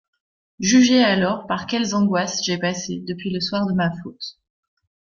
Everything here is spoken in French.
Jugez alors par quelles angoisses j'ai passé depuis le soir de ma faute.